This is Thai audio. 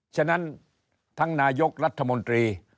ฉะนั้นทั้งนายกรัฐมนตรี